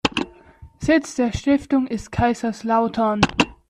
Sitz der Stiftung ist Kaiserslautern.